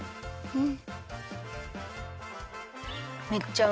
うん！